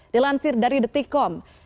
dilansir dari the ticom